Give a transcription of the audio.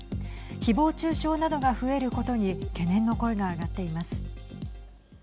ひぼう中傷などが増えることに懸念の声が上がっています。